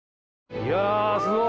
いやすごい！